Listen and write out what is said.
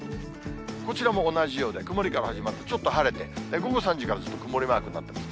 こちらも同じようで、曇りから始まって、ちょっと晴れて、午後３時からずっと曇りマークになってます。